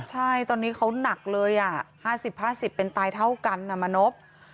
ใช่ตอนนี้เขาหนักเลย๕๐๕๐เป็นตายเท่ากันนะมานพ